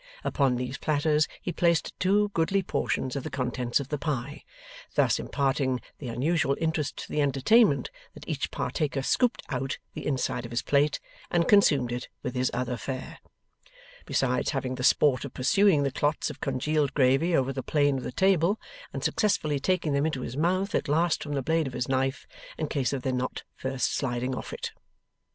Upon these platters he placed two goodly portions of the contents of the pie, thus imparting the unusual interest to the entertainment that each partaker scooped out the inside of his plate, and consumed it with his other fare, besides having the sport of pursuing the clots of congealed gravy over the plain of the table, and successfully taking them into his mouth at last from the blade of his knife, in case of their not first sliding off it.